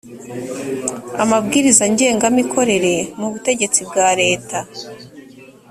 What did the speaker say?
amabwiriza ngengamikorere mu butegetsi bwa leta